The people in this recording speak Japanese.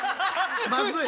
まずい！